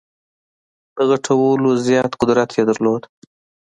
د غټولو زیات قدرت یې درلود.